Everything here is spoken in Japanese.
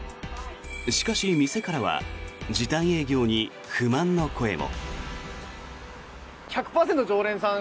しかし、店からは時短営業に不満の声も。